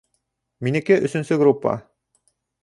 Минеке - өсөнсө группа.